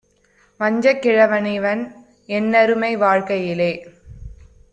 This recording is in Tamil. வஞ்சக் கிழவனிவன் என்னருமை வாழ்க்கையிலே